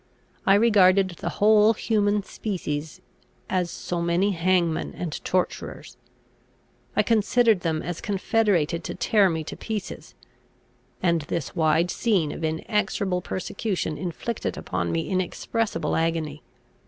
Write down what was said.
I regarded the whole human species as so many hangmen and torturers; I considered them as confederated to tear me to pieces; and this wide scene of inexorable persecution inflicted upon me inexpressible agony.